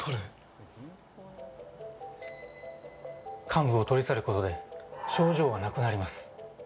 患部を取り去ることで症状がなくなります。